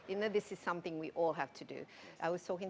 ini adalah sesuatu yang kita semua harus lakukan